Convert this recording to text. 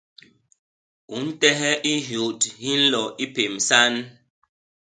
U ntehe i hyôt hi nlo i pémsan!